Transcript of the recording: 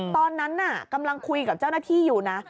ตอนนั้นน่ะกำลังคุยกับเจ้าหน้าที่อยู่นะ